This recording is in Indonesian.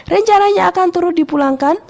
rencananya akan terus dipulangkan